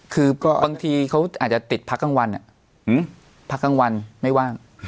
คือบางทีเขาอาจจะติดพักกลางวันพักกลางวันไม่ว่าง